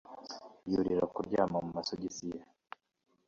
yurira kuryama mu masogisi ye